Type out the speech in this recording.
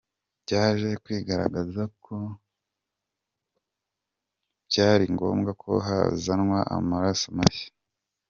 Byaje kwigaragaza ko byari ngombwa ko hazanwa amaraso mashya.